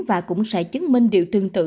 và cũng sẽ chứng minh điều tương tự